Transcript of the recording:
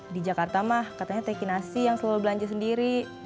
di jakarta mah katanya teki nasi yang selalu belanja sendiri